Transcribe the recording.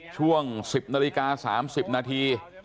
ช่วง๑๐นาฬิกา๓๐นาที